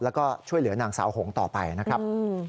แล้วก็ช่วยเหลือนางสาวหงต่อไปนะครับ